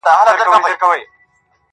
خدايه نه مړ كېږم او نه گران ته رسېدلى يـم